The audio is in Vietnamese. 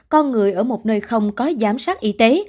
con người ở một nơi không có giám sát y tế